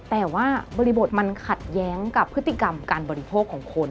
แต่ว่าบริบทมันขัดแย้งกับพฤติกรรมการบริโภคของคน